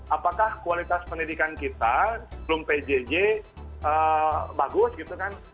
apakah kualitas pendidikan kita sebelum pjj bagus gitu kan